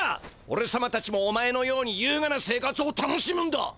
おれさまたちもお前のようにゆうがな生活を楽しむんだ！